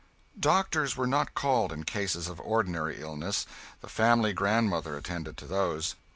Doctors were not called, in cases of ordinary illness; the family's grandmother attended to those.